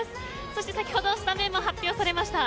そして先ほどスタメンも発表されました。